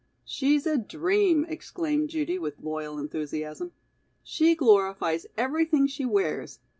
"She's a dream," exclaimed Judy with loyal enthusiasm. "She glorifies everything she wears.